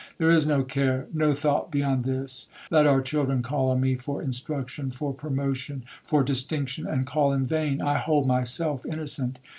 —There is no care, no thought beyond this! Let our children call on me for instruction, for promotion, for distinction, and call in vain—I hold myself innocent.